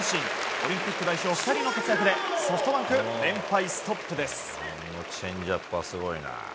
オリンピック代表２人の活躍でソフトバンク連敗ストップです。